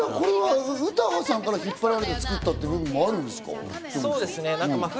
じゃあ、これは詩羽さんから引っ張られて作られたということもあるんですか？